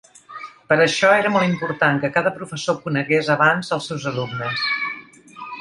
Per això era molt important que cada professor conegués abans els seus alumnes.